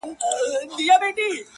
تا پټ کړی تر خرقې لاندي تزویر دی!